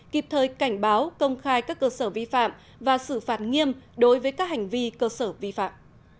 kịp thời cảnh báo công khai các cơ sở vi phạm và xử phạt nghiêm đối với các hành vi cơ sở vi phạm